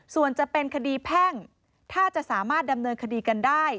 ส่วนจะเป็นคดีแพ่งถ้าจะสามารถดำเนินคดีกันได้